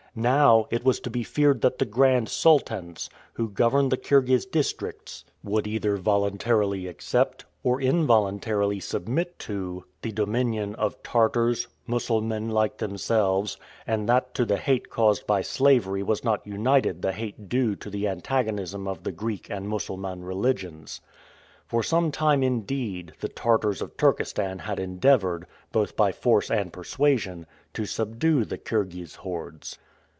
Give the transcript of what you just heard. Now, it was to be feared that the "Grand Sultans," who govern the Kirghiz districts would either voluntarily accept, or involuntarily submit to, the dominion of Tartars, Mussulmen like themselves, and that to the hate caused by slavery was not united the hate due to the antagonism of the Greek and Mussulman religions. For some time, indeed, the Tartars of Turkestan had endeavored, both by force and persuasion, to subdue the Kirghiz hordes.